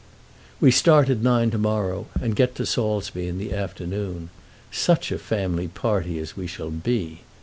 We start at nine to morrow, and get to Saulsby in the afternoon. Such a family party as we shall be!